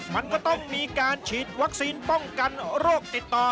มันก็ต้องมีการฉีดวัคซีนป้องกันโรคติดต่อ